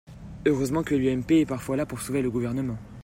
Heureusement que l’UMP est parfois là pour sauver le Gouvernement